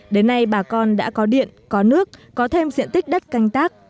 đến nay bà con đã có điện có nước có thêm diện tích đất canh tác